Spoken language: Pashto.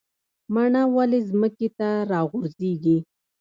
مڼه ولې ځمکې ته راغورځیږي؟